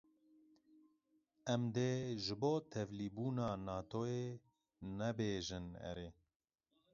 Em dê ji bo tevlîbûna Natoyê nebêjin erê.